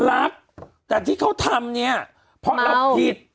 รักแต่ที่เขาทำเนี่ยเพราะเราผิด